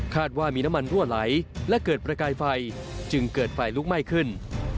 ว่ามีน้ำมันรั่วไหลและเกิดประกายไฟจึงเกิดไฟลุกไหม้ขึ้น